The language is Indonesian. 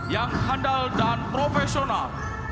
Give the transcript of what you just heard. yang handal dan profesional